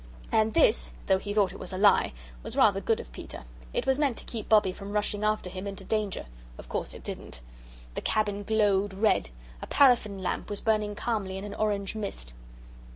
And this, though he thought it was a lie, was rather good of Peter. It was meant to keep Bobbie from rushing after him into danger. Of course it didn't. The cabin glowed red. A paraffin lamp was burning calmly in an orange mist.